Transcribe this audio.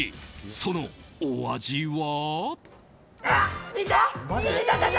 そのお味は。